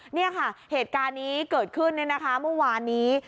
นี่ค่ะเหตุการณ์นี้เกิดขึ้นเนี่ยนะคะเมื่อวานนี้